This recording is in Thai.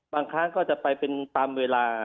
ครั้งก็จะไปเป็นตามเวลา